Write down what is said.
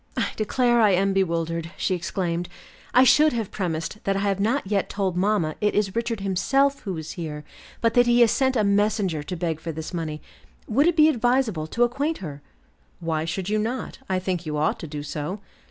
"I declare I am bewildered," she exclaimed. "I should have premised that I have not yet told mamma it is Richard himself who is here, but that he has sent a messenger to beg for this money. Would it be advisable to acquaint her?" "Why should you not? I think you ought to do so."